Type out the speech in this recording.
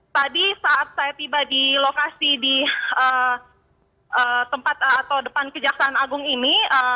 tadi saat saya tiba di lokasi di tempat atau depan kejaksaan agung ini